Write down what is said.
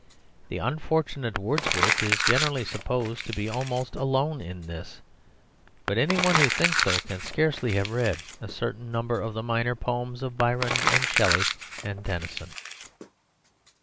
The unfortunate Wordsworth is generally supposed to be almost alone in this; but any one who thinks so can scarcely have read a certain number of the minor poems of Byron and Shelley and Tennyson.